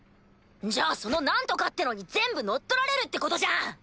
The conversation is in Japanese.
じゃあそのなんとかってのに全部乗っ取られるってことじゃん！